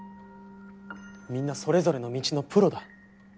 みんなそれぞれの道のプロだ。